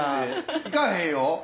いかへんよ。